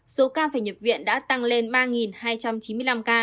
số ca phải nhập viện đã tăng lên ba hai trăm chín mươi năm ca